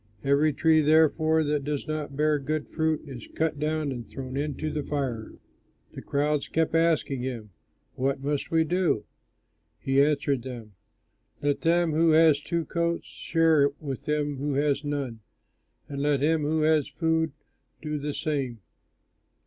Every tree, therefore, that does not bear good fruit is cut down and thrown into the fire." The crowds kept asking him, "What must we do?" He answered them, "Let him who has two coats share with him who has none; and let him who has food do the same."